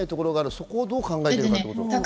そこはどう考えてますか？